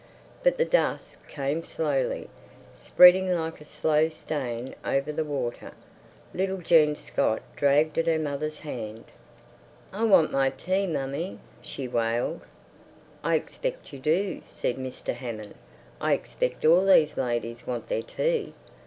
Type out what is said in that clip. But the dusk came slowly, spreading like a slow stain over the water. Little Jean Scott dragged at her mother's hand. "I wan' my tea, mammy!" she wailed. "I expect you do," said Mr. Hammond. "I expect all these ladies want their tea."